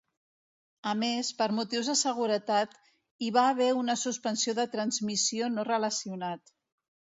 A més, per motius de seguretat hi va haver una suspensió de transmissió no relacionat.